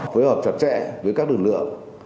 phối hợp chặt chẽ với các lực lượng